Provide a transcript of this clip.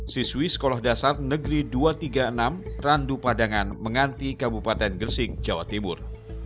siswi sekolah dasar negeri dua ratus tiga puluh enam randu padangan menganti kabupaten gresik jawa timur